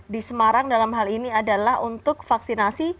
di semarang dalam hal ini adalah untuk vaksinasi